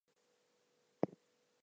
Legend of Tang Dynasty